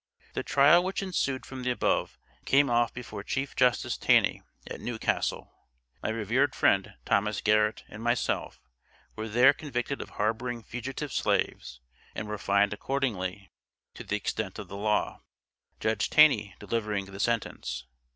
The trial which ensued from the above, came off before Chief Justice Taney, at New Castle. My revered friend, Thomas Garrett, and myself, were there convicted of harboring fugitive slaves, and were fined accordingly, to the extent of the law; Judge Taney delivering the sentence.